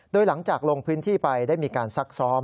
โดยหลังจากลงพื้นที่ไปได้มีการซักซ้อม